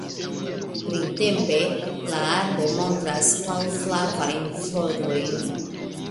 Printempe la arbo montras pal-flavajn florojn.